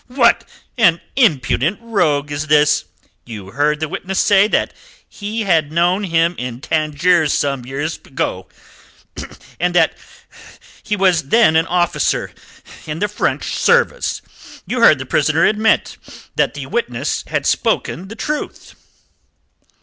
"What an impudent rogue is this! You heard the witness say that he had known him in Tangiers some years ago, and that he was then an officer in the French service. You heard the prisoner admit that the witness had spoken the truth?"